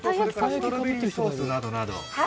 ストロベリーソースなどなど。